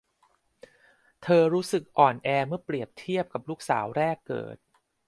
เธอรู้สึกอ่อนแอเมื่อเปรียบเทียบกับลูกสาวแรกเกิด